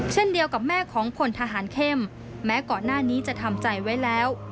เช่นเดียวกับแม่ของพลทหารเข้มแม้ก่อนหน้านี้จะทำใจไว้แล้ว